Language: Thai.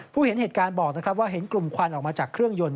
เห็นเหตุการณ์บอกนะครับว่าเห็นกลุ่มควันออกมาจากเครื่องยนต